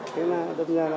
thế là đâm ra là